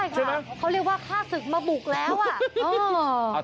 ใช่ไหมเขาเรียกว่าฆ่าศึกมาบุกแล้วอ่ะ